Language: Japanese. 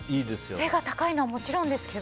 背が高いのはもちろんですけど。